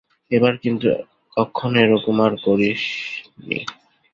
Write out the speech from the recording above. এবার, কিন্তু কক্ষনো এরকম আর করিাসনি!